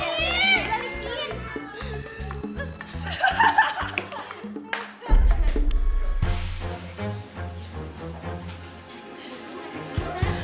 tunggu tunggu tunggu